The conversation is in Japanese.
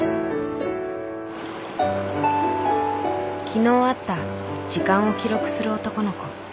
昨日会った時間を記録する男の子。